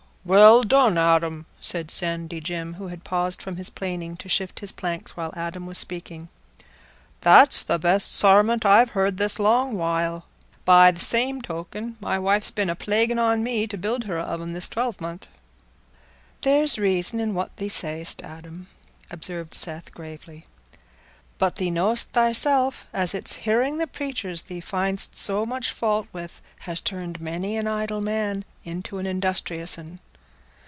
"Well done, Adam!" said Sandy Jim, who had paused from his planing to shift his planks while Adam was speaking; "that's the best sarmunt I've heared this long while. By th' same token, my wife's been a plaguin' on me to build her a oven this twelvemont." "There's reason in what thee say'st, Adam," observed Seth, gravely. "But thee know'st thyself as it's hearing the preachers thee find'st so much fault with has turned many an idle fellow into an industrious un.